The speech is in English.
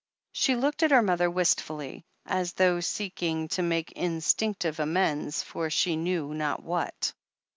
She looked at her mother wistfully, as though seek ing to make instinctive amends for she knew not what.